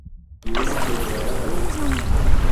Iri ng'ombe ni ra W'adaw'ida?